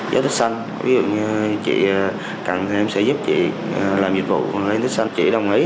dấu tích xanh thể hiện cho cá nhân hoặc thương hiệu có ảnh hưởng tới cộng đồng